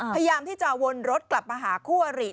พยายามที่จะวนรถกลับมาหาคู่อริ